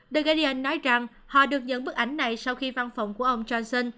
the guardian nói rằng họ được nhận bức ảnh này sau khi văn phòng của ông johnson